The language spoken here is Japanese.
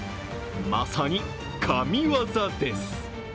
まさに、神業です。